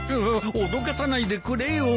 脅かさないでくれよ。